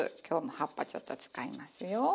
今日も葉っぱちょっと使いますよ。